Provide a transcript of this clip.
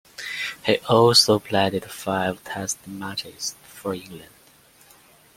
He also played five Test matches for England.